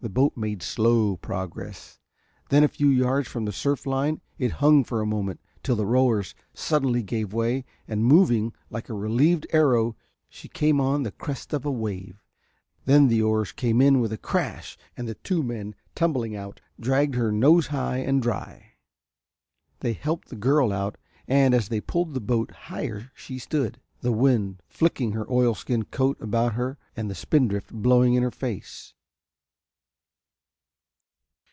The boat made slow progress, then a few yards from the surf line it hung for a moment till the rowers suddenly gave way and moving like a relieved arrow she came on the crest of a wave, then the oars came in with a crash and the two men tumbling out dragged her nose high and dry. They helped the girl out and as they pulled the boat higher she stood, the wind flicking her oilskin coat about her and the spindrift blowing in her face.